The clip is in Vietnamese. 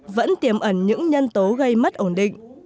vẫn tiềm ẩn những nhân tố gây mất ổn định